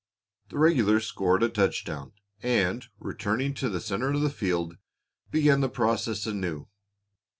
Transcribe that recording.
The regulars scored a touchdown and, returning to the center of the field, began the process anew.